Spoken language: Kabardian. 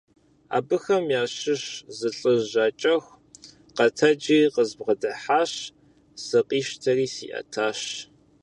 Абыхэм ящыщ зы лӀыжь жьакӀэху къэтэджри къызбгъэдыхьащ, сыкъищтэри сиӀэтащ.